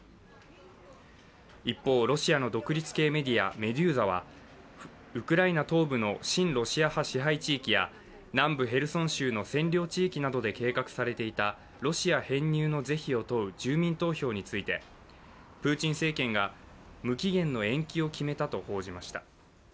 一方、ロシアの独立系メディアメドゥーザはウクライナ東部の親ロシア派支配地域や南部ヘルソン州の占領地域などで計画されていたロシア編入の是非を問う住民投票についてプーチン政権が無期限の延期を決めたと報じました。